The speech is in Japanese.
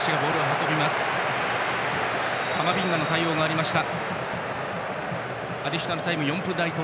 カマビンガの対応がありました。